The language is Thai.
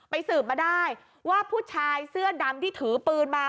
สืบมาได้ว่าผู้ชายเสื้อดำที่ถือปืนมา